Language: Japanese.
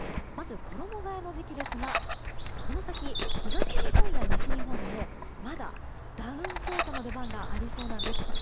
まず、衣替えの時期ですがこの先、東日本や西日本でもまだダウンコートの出番がありそうなんです。